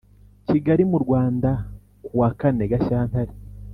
Kigali mu Rwanda kuwa kane Gashyantare